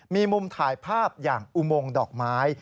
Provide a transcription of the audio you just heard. มีมุมถ่ายภาพอย่างอุโมงดอกไม้